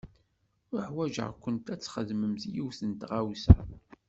Uḥwaǧeɣ-kent ad txedmemt yiwet n tɣawsa.